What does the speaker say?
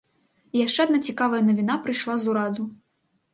І яшчэ адна цікавая навіна прыйшла з ураду.